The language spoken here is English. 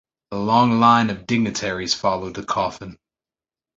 A long line of dignitaries followed the coffin.